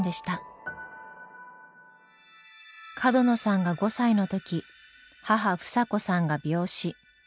角野さんが５歳の時母房子さんが病死。